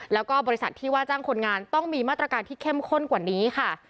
แล้วก็บริษัทที่ว่าจ้างคนงานต้องมีมาตรการที่เข้มข้นกว่านี้ค่ะ